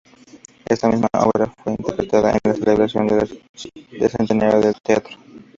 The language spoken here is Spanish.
Esta misma obra fue interpretada en la celebración del centenario del teatro.